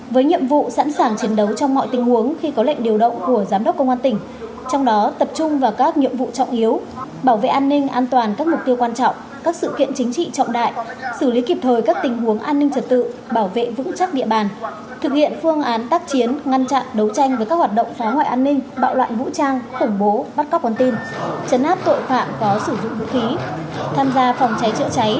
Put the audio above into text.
với nhiệm vụ sẵn sàng chiến đấu trong mọi tình huống khi có lệnh điều động của giám đốc công an tỉnh trong đó tập trung vào các nhiệm vụ trọng yếu bảo vệ an ninh an toàn các mục tiêu quan trọng các sự kiện chính trị trọng đại xử lý kịp thời các tình huống an ninh trật tự bảo vệ vững chắc địa bàn thực hiện phương án tác chiến ngăn chặn đấu tranh với các hoạt động phá hoại an ninh bạo loạn vũ trang khủng bố bắt cóc con tin chấn áp tội phạm có sử dụng vũ khí tham gia phòng cháy chữa cháy